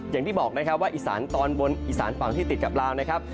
อย่างที่บอกนะครับว่าอีสานตอนบนอีสานฝั่งที่ติดกับลาวนะครับ